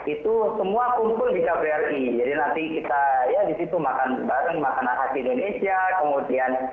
itu semua kumpul di kaberi jadi nanti kita ya di situ makan bareng makanan hati indonesia kemudian